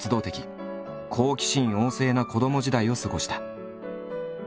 好奇心旺盛な子ども時代を過ごした。